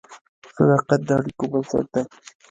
صداقت د اړیکو بنسټ دی.